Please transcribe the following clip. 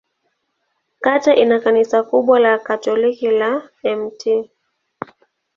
Kata ina kanisa kubwa la Katoliki la Mt.